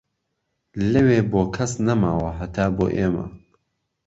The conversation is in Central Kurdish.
لە وێ بۆ کەس نەماوە هەتا بۆ ئیمە